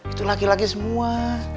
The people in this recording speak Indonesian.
itu lagi lagi semua